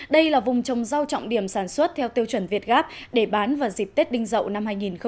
đây là vùng trồng rau trọng điểm sản xuất theo tiêu chuẩn việt gáp để bán vào dịp tết đinh dậu năm hai nghìn hai mươi